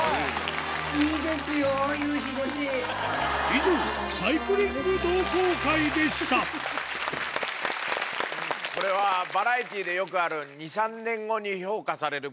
以上「サイクリング同好会」でしたこれはバラエティーでよくある２３年後に評価されるＶＴＲ。